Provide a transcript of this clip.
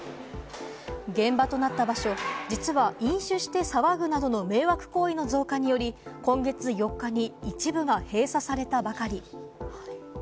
現場となった場所、実は飲酒して騒ぐなどの迷惑行為の増加により、今月４日に一部が閉鎖されたばかり。